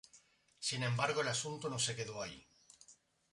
Sin embargo el asunto no se quedó ahí.